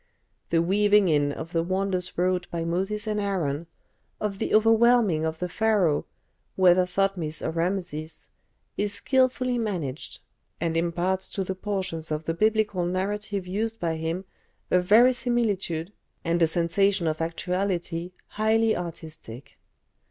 The weaving in of the wonders wrought by Moses and Aaron, of the overwhelming of the Pharaoh, whether Thotmes or Rameses, is skilfully managed, and imparts to the portions of the Biblical narrative used by him a verisimilitude and a sensation of actuality highly artistic.